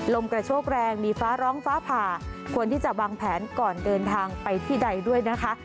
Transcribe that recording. ลมกระโชกแรงมีฟ้าร้องฟ้าผ่าควรที่จะวางแผนก่อนเดินทางไปที่ใดด้วยนะคะ